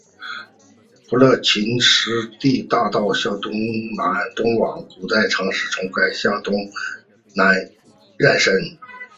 普奈勒斯蒂大道向东通往古代城市从该城向东南延伸。